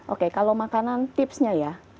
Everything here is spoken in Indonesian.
oke kalau makanan tipsnya ya